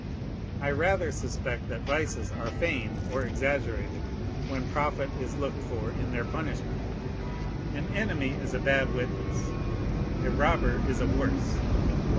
I rather suspect that vices are feigned or exaggerated, when profit is looked for in their punishment. An enemy is a bad witness; a robber is a worse.